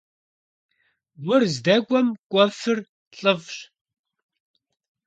Гур здэкӀуэм кӀуэфыр лӀыфӀщ.